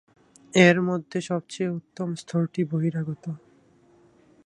এর মধ্যে সবচেয়ে উত্তম স্তরটি বহিরাগত।